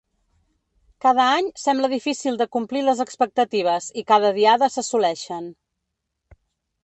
Cada any sembla difícil de complir les expectatives i cada Diada s’assoleixen.